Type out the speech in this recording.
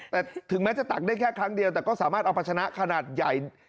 แต่ถึงแม้จะตักได้แค่ครั้งเดียวแต่ก็สามารถเอาพัชนะขนาดใหญ่